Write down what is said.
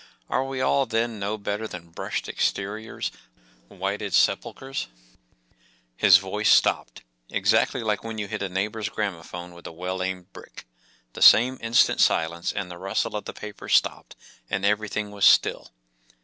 Are we all then no better than brushed exteriors, whited sepulchres^ " His voice stopped—exactly like when you hit a neighbour’s gramophone with a well aimed brick, that instant silence, and the rustle of the paper stopped* and everything was still.